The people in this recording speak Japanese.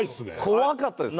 怖かったです。